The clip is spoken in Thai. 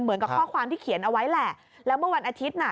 เหมือนกับข้อความที่เขียนเอาไว้แหละแล้วเมื่อวันอาทิตย์น่ะ